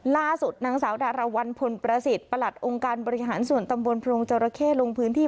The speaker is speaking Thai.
ล่าสุดจนรพลประสิทธิ์ประหลัดองค์การบริหารส่วนตำบลภลงจรเคร่ลงพื้นที่